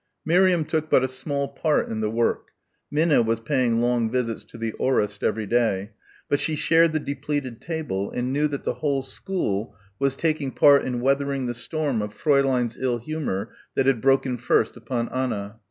Miriam took but a small part in the work Minna was paying long visits to the aurist every day but she shared the depleted table and knew that the whole school was taking part in weathering the storm of Fräulein's ill humour that had broken first upon Anna.